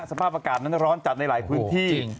สภาพอากาศนั้นร้อนจัดในหลายพื้นที่